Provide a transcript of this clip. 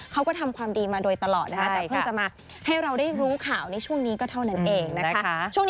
เขาก็ทำความดีมาโดยตลอดนะคะแต่เพิ่งจะมาให้เราได้รู้ข่าวในช่วงนี้ก็เท่านั้นเองนะคะ